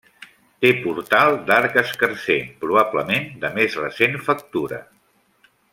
Té portal d'arc escarser, probablement de més recent factura.